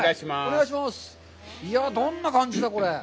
いや、どんな感じだ、これ。